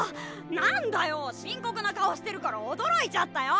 何だよ深刻な顔してるから驚いちゃったよ。